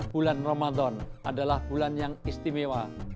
bulan ramadan adalah bulan yang istimewa